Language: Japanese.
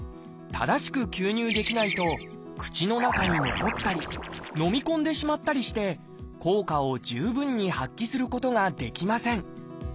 正しく吸入できないと口の中に残ったりのみ込んでしまったりして効果を十分に発揮することができません